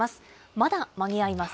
まだ間に合います。